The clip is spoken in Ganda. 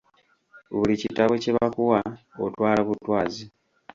Buli kitabo kye bakuwa, otwala butwazi.